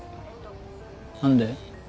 何で？